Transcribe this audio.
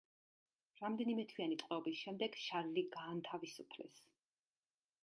რამდენიმეთვიანი ტყვეობის შემდეგ შარლი გაანთავისუფლეს.